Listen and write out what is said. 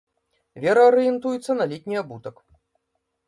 Вера арыентуецца на летні абутак.